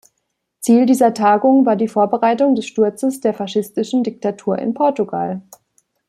Ziel dieser Tagung war die Vorbereitung des Sturzes der faschistischen Diktatur in Portugal.